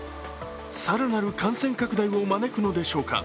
更なる感染拡大を招くのでしょうか。